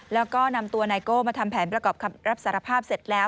แล้วก็นำตัวนายโก้มาทำแผนประกอบคำรับสารภาพเสร็จแล้ว